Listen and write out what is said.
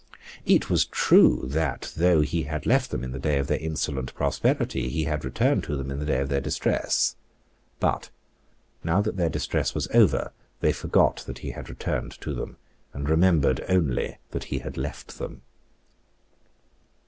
It was true that, though he had left them in the day of their insolent prosperity, he had returned to them in the day of their distress. But, now that their distress was over, they forgot that he had returned to them, and remembered only that he had left them.